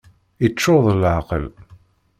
Iččur d leεqel!